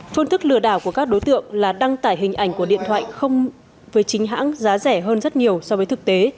phương thức lừa đảo của các đối tượng là đăng tải hình ảnh của điện thoại không với chính hãng giá rẻ hơn rất nhiều so với thực tế